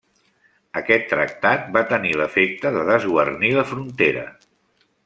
Aquest tractat va tenir l'efecte de desguarnir la frontera.